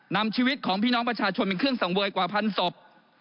นำชีวิตของพี่น้องประชาชนเป็นเครื่องสังเวยกว่าพันศพ